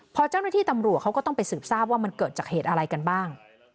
พอเจ้าหน้าที่ตำรวจเขาก็ต้องไปสืบทราบว่ามันเกิดจากเหตุอะไรกันบ้าง